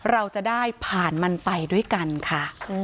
เราจะได้ผ่านมันไปด้วยกันค่ะ